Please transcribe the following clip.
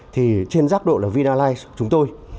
thì trên giáp độ là vinalight chúng tôi